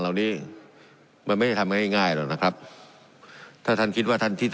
เหล่านี้มันไม่ได้ทำง่ายง่ายหรอกนะครับถ้าท่านคิดว่าท่านคิด